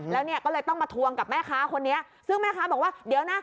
แล้วเนี่ยก็เลยต้องมาทวงกับแม่ค้าคนนี้ซึ่งแม่ค้าบอกว่าเดี๋ยวนะ